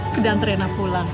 sudah hantar rena pulang